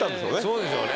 そうでしょうね